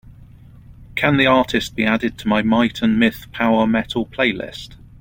Can the artist be added to my Might and Myth Power Metal playlist?